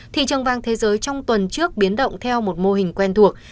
thị trường vàng thế giới trong tuần trước biến động theo một mô hình quen thuộc